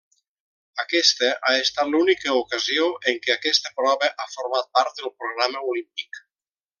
Aquesta ha estat l'única ocasió en què aquesta prova ha format part del programa Olímpic.